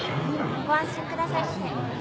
ご安心くださいませ。